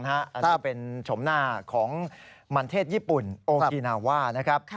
อันนี้เป็นชมหน้าของมันเทศญี่ปุ่นโอกินาว่านะครับ